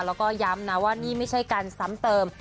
แล้วก็ย้ำนะว่านี่ไม่ใช่การซ้ำเติม